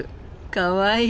かわいい。